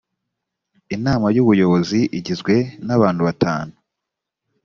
inama y‘ubuyobozi igizwe n’abantu batanu